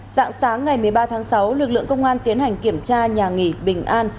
dạng sáng ngày một mươi ba tháng sáu lực lượng công an tiến hành kiểm tra nhà nghỉ bình an